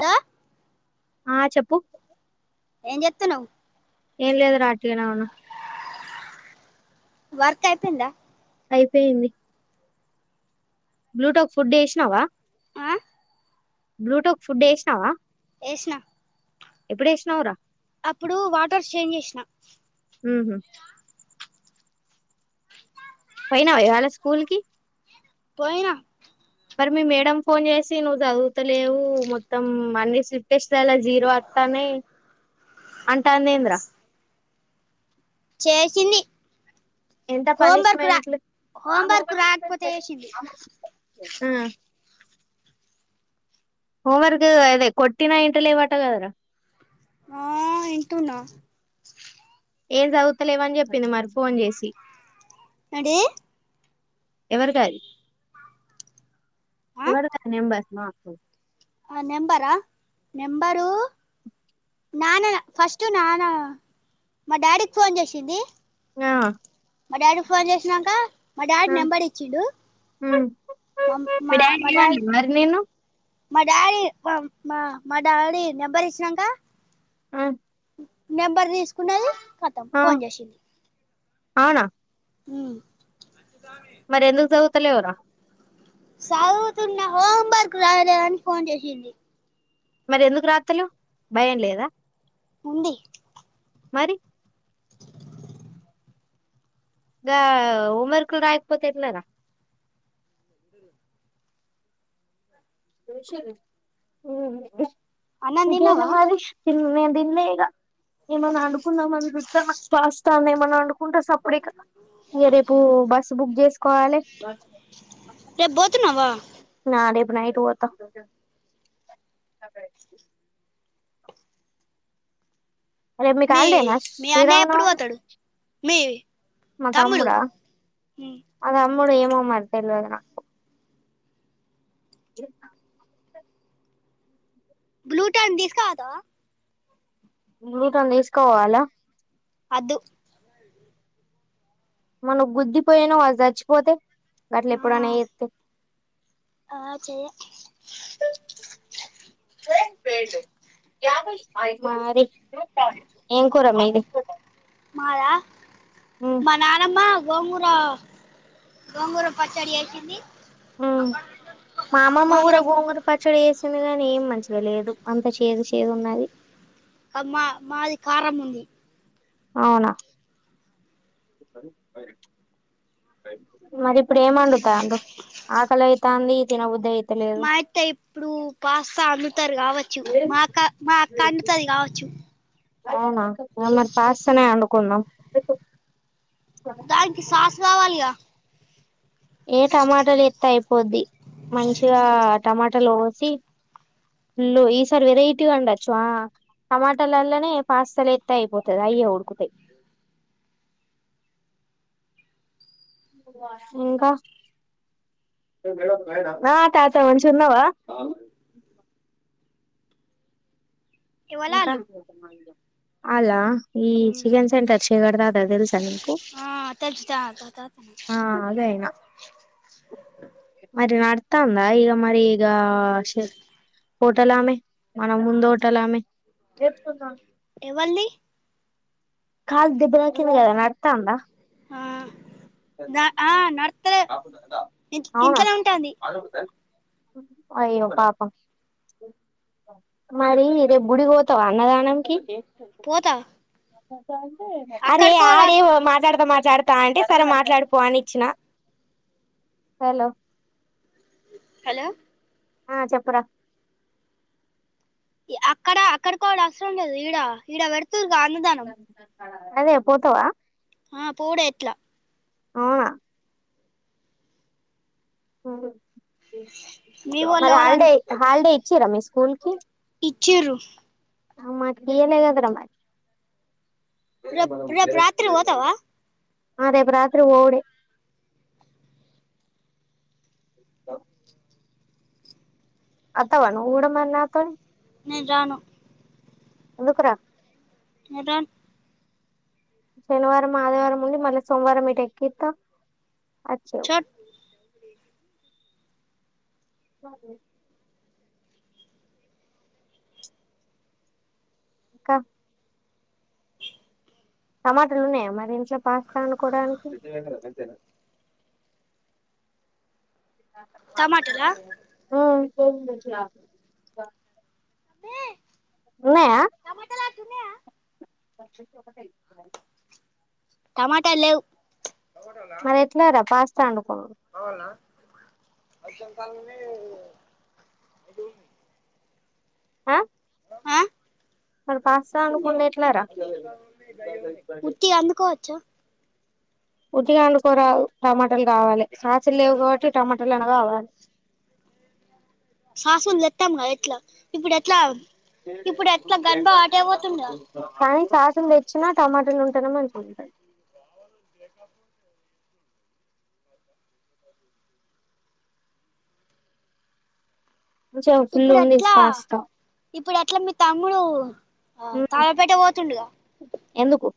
దా ఆ చెప్పు ఏం చేస్తున్నావ్ ఏం లేదు రా ఆటిగానే వునా వర్క్ అయిపోందా అయిపోయింది బ్లూటోత్ ఫుడ్ వేసినావా ఆ బ్లూటూక్ ఫుడ్ వేసినావా ఏష్ణ ఎప్పుడ వేసినవురా అప్పుడు వాటర్ చేంజ్ చేసినా హు పోయినావా ఇవాళ్ళ స్కూల్ కి పోయినా మరి మీ మేడం ఫోన్ చేసి నువ్వు చదువుతలేవు మొత్తం అన్ని స్లిప్ టెస్ట్ లల్లా జీరో ఓత్తనై అంటాది ఏంది రా చేసింది ఎంత హోంవర్క్ రా పనిష్మెంట్లు ఆ హోంవర్క్ రాకపోతే చేసింది హోమ్ వర్క్ అదే కొట్టిన ఇంటలేవు అటగదరా ఆ ఏంటున్నా ఏం చదువుతలేవని చెప్పింది మరి ఫోన్ చేసి ఏంటిది ఎవరి కాది ఆ ఎవరికి అది నెంబర్ ఆ నెంబరా నెంబరు నాన్న ఫస్ట్ నాన్న మా డాడీకి ఫోన్ చేసింది ఆ మా డాడీ ఫోన్ చేసినాక మా డాడీ ఆ నెంబర్ ఇచ్చిడు హ్మ్ మీ డాడీ ఏమన్లే మరి నిను మా డాడీ మా మా డాడీ నెబరు ఇచ్చినాంక ఆ నెంబర్ తీసుకున్నది కతం ఆ ఫోన్ చేసింది అవునా ఉహు మరి ఎందుకు చదువుతలేవురా సాధువుతున్న హోం వర్క్ రాయలేదు అని ఫోన్ చేసింది మరి ఎందుకు రాతలేవు భయం లేదా ఉంది మరి గా హోంవర్క్ లు రాయకపోతే ఎట్ల రా ఊ ఉహుశేలు హు బు అన్నం ఇంకేంది తిన్నావా మరి ఎన్ని ఉన్నాయి తినలేదు ఇగ ఏమన్నా వడుకున్నామని చూతన ఫస్ట్ అని ఏమన్నా వండుకుంటా సప్పుడే కా ఇగ రేపు బస్సు బుక్ చేసుకోవాలే రేపు పోతున్నావా ఆ రేపు నైట్ పోత రేపు మీకు మీ హాలిడేనా మీ అన్నయ్య ఎప్పుడు శ్రీరామనవమి పోతాడు మీ మా తమ్ముడు తమ్ముడా హు మా తమ్ముడు ఏమో మరి తలవదు నాకు [inaudible] బ్లూటన్ తీసుక పోతావా బుల్లెటన్ తీసుక పోవాలా వద్దు మనం గుద్దిపోయాను వాళు చచ్చిపోతే గట్ల ఆ ఎప్పుడన్నా చేత్తే ఆ చెయ మరి ఏం కూర మీది మాదా హు మా నానమ్మ గోంగూర గోంగూర పచ్చడి చేసింది హు మా అమ్మమ్మ కూడా గోంగూర పచ్చడిచేసింది వచ్చింది కానీ ఏం మంచిగ లేదు అంత చేదు చేదు ఉన్నది అమ్మ మాది కారం ఉంది అవునా మరి ఇప్పుడు ఏం వండుతున్నారు ఆకలి అయితాంది తిన బుద్ధి అయిత మా అత్త ఇప్పుడు పాస్త వండుతారు కావచ్చు మా అక్క మా అక్క వండుతాది కావచ్చు అవునా మొన్నటి పాస్తానే వండుకుందాం దానికి సాస్ కావాలిగా ఏ టమాటాలు ఎత్తే అయిపోద్ది మంచిగా టమాటాలు కోసి ల్లో ఈసారి వెరైటీగా వొండొచ్చు ఆ టమాటాలల్లనే పాస్తలు ఎత్తే అయిపోతది అయ్యే ఉడుకుతాయ్. [inaudible] ఇంకా ఆ తాత మంచిగున్నావా ఇంకా ఎవలాలు అల్లా ఈ చికెన్ సెంటర్ చెదర్ దాదా తెలుసా నీకు ఆ తెలుసా త్య త త న ఆ అదే ఆయన మరి మడ్ త్తందా ఇక మరి ఇంగా సెర్ హోటల్ ఆమె మన ముందు హోటల్ ఆమె [unintelligible] [inaudible] కాల్ దెబ్బ తాకింద కదా నడుతంద ద ఆ నడ్ అవునా అయ్యో పాపం మరి రేపు గుడికి పోత్ వాస్తవ అన్నదానంకి పోతా అరే అక్కడికో ఆడే మాట్లాడుతా మాట్లాడుతా అంటే సరే మాట్లాడుపో అని ఇచ్చినా. హలో హలో ఆ చెప్పురా అక్కడ అక్కడికోడ అవసరం లేదు ఈడ ఈడ పెడుతుర్రు గా అన్నదానం. అదే పోతవా ఆ పోడే ఎట్లా అవునా మీ వోళ్ళు మరి ఎవలని హాలిడే హాలిడే ఇచ్చిర్రా మీ స్కూల్ కి ఇచ్చిర్రు ఆ మాకి ఇయ్యలేదు కదరా మరి రేప్ రేపు రాత్రికి పోతావా ఆ రేపు రాత్రి పోవుడే [inaudible] అత్తవా నువ్వు కూడా మరి నాతోనే నేన్ రాను ఎందుకురా నేన్ రాన్ శనివారం ఆదివారం ఉండి మళ్ళీ సోమవారం ఇటు ఎక్కిత్త. అచ్చవ్ చోట్ [inaudible] ఇకా టమాటాలు ఉన్నాయా మరి ఇంట్లో పాస్తా వండుకోవడానికి. టమాటలా ఉమ్ ఉన్నాయా తునాయా [inaudible] టమాటాలు లేవ్ మరి ఎట్లా రా పాస్తా వండక్ [inaudible] ఆ ఆ మరి పాస్తా వండుకునేది ఎట్లా రా ఉట్టిగా అందుకోవచ్చా ఉటిగా వండుకోరాదు టమాటాలు కావాలి సాసలు లేవు కాబట్టి టమాటాలు అన కావాలి సాసులు తెత్తాం కదా ఎట్లా ఇప్పుడు ఎట్లా ఇప్పుడు ఎట్లా గన్బ అటే పోతుండుగా కానీ సాసులు తెచ్చినా టమాటోలు ఉంటెనే మంచి ఉంటది మంచిగా ఫుల్ ఇప్పుడు ఉంది ఎట్లా పాస్తా ఇప్పుడు ఎట్లా మీ తమ్ముడు ఆ ఉమ్ తాళాపేట పోతుండగా ఎందుకు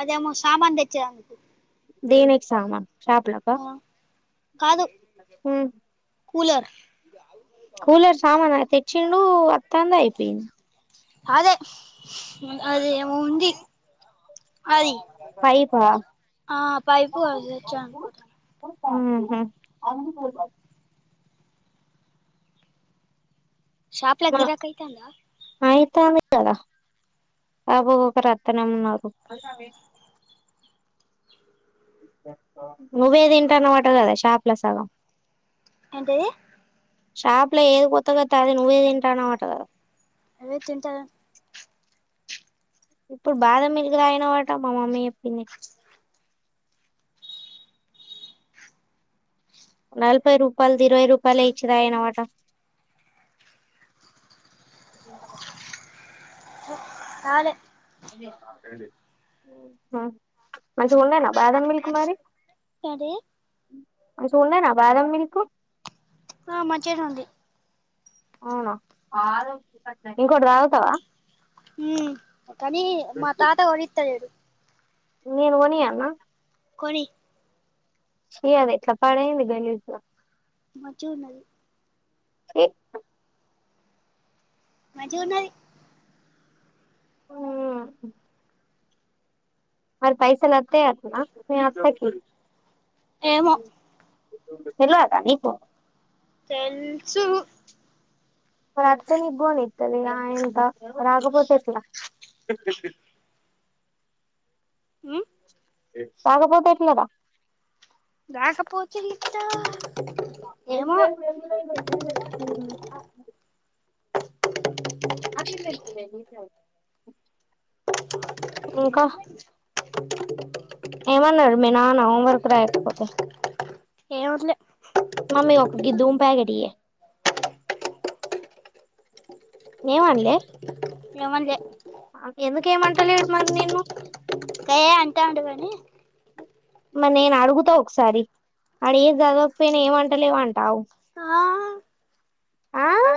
అదే అమ సామాన్ తెచ్చే దానికి దేనికి సామాన్ షాప్ లకా కాదు కూలర్ డూ అత్తాందయిపోయింది అదే అది ఏమో ఉంది అది పైపా ఆ పైపు అవి తెచ్చ అనుకుంట మ్మహు షాపుల మా గరాకైతందా అయితాంది గదా బబో ఊకరత్తనే ఉన్నారు నువ్వే తింటానావంట కదా షాప్ లో సగం ఏంటిది షాప్ లో ఏది కొత్తగోత్తే అది నువ్వే తింటాన్నావంటగదా అవే తింటార ఇప్పుడు బాదం మిల్క్ తాగినవంట మా మమ్మీ చెప్పింది నలభై రూపాయలుది ఇరవై రూపాయలె తాగినావట ఇ రాలే మ్మ్ మంచిగా ఉందేనా బాదం మిల్క్ మరి ఏంటి మంచిగుండేనా బాధమిల్క ఆ మంచిగానే ఉంది అవునా ఇంకోటి తాగుతావా హ కనీ మా తాత కొనిత్తలేడు నేను కొనియాల్నా కొనీ చి అదేట్ల పాడాయింది గలీజ్గా మంచిగున్నది చి మంచిగున్నది మ్మ్ హ్ మ పైసల్ ఒత్తయ్యంటనా మీ అత్త కి ఏమో [unintelligible] నీకు తెల్సు మారాత్తే నిక్ కొనిత్త ఆయింకా రాగపోతేట్లా మ్మ్ తాకపోతేట్లేదా రాకపోతే ఎట్టా ఏమో ఎట్లరా ఇంకా. ఏమన్నాడు మీ నాన్న హోమ్ వర్క్ రాయ్. పోతే. ఏమనలే ఏం అన్లే. ఏమనలే ఎందుకెం అంట లేడు మరి నీన్ను. ఈ. మరి నేన్ అడుగుతా ఒకసారి అడిగే జడవక పోయిన ఏం అంటలేవంటావు. ఆ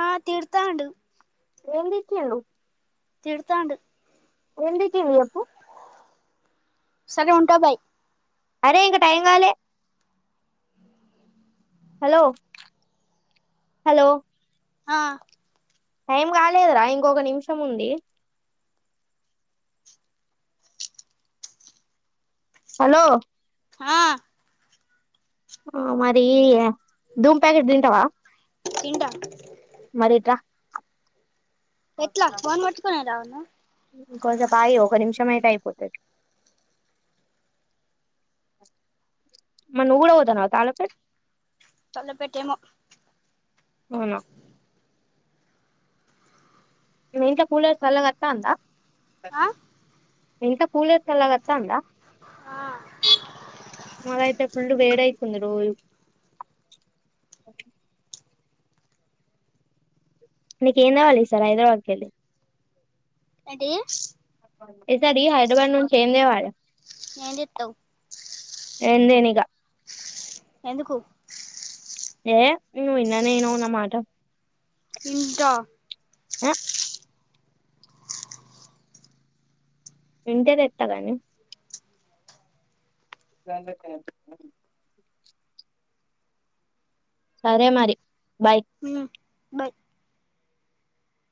ఆ తీడతాండు. ఏం దిటిండు.? తీడతాండు. ఏం దిటిండు జెప్పు.? సరే ఉంటా బాయ్. అరే ఇంక టైం గాలె. Hello hello. ఆ. టైం గాలేదురా ఇంకొక నిమిషం ఉంది. ఆలో. హా. ఆ మరీ., ధూమ్ ప్యాకిట్ దింటావా.? తింటా. ఎట్లా ఫోన్ బట్కోనే రావల్నా.? కొంసెపాయి ఒక నిమిషమైతే అయిపోతది. మర్ నువ్వు గూడ బొతానవ [unintelligible] తలపేట్టెమె. అవునా. ! మీ ఇంట్ల కూలర్ సళ్ళగత్తందా.? ! అ. మీ ఇంట్ల కూలర్ సలాగత్తందా.? ఆ మాదైతే ఫుల్లు వేడైతుంది రోజూ. ఓకే నీకెం దెవాలి ఈ సారీ హైద్రాబాద్కెల్లి.? ఏంటీ.? ! ఈ సాడీ హైద్రాబాద్ నుంచి ఏం దెవలె.? ఏం దెత్తవ్.? ఏందేనిగా. ఎందుకు.? ఏ నువ్వు ఇన్ననే ఇన్నావు నా మాట. ఇంటా.? ఆక్. ఇంటే దెత్తగని. [inaudible] సరే మరి. బాయ్ హూ బాయ్.